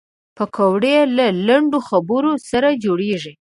پکورې له لنډو خبرو سره جوړېږي